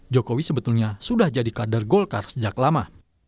jokowi sebetulnya sudah jadi kader golkar sejak lama